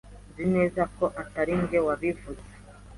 Nzi neza ko atari njye wabivuze.